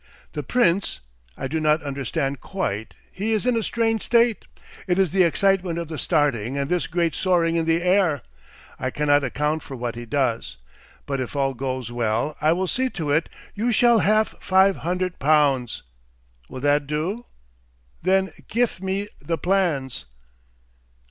The Prince I do not understand quite, he is in a strange state. It is the excitement of the starting and this great soaring in the air. I cannot account for what he does. But if all goes well I will see to it you shall haf five hundert poundts. Will that do? Then gif me the plans."